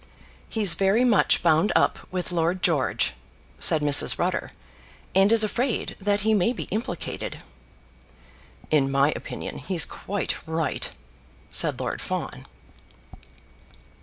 "He's very much bound up with Lord George," said Mrs. Rutter, "and is afraid that he may be implicated." "In my opinion he's quite right," said Lord Fawn.